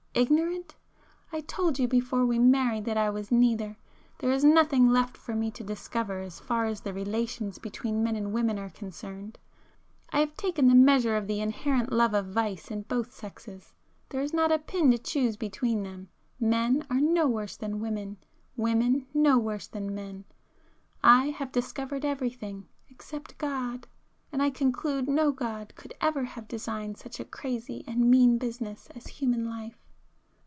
—ignorant? I told you before we married that I was neither; there is nothing left for me to discover as far as the relations between men and women are concerned,—I have taken the measure of the inherent love of vice in both sexes. There is not a pin to choose between them,—men are no worse than women,—women no worse than men. I have discovered everything—except God!—and I conclude no God could ever have designed such a crazy and mean business as human life."